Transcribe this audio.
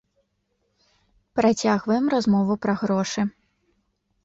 Працягваем размову пра грошы.